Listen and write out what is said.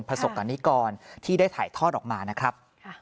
ประสบกรณิกรที่ได้ถ่ายทอดออกมานะครับ